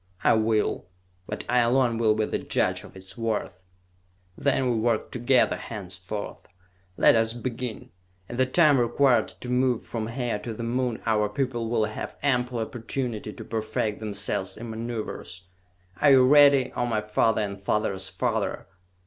"I will, but I alone will be the judge of its worth!" "Then we work together henceforth. Let us begin! In the time required to move from here to the Moon, our people will have ample opportunity to perfect themselves in maneuvers! Are you ready, O my father, and father's father?"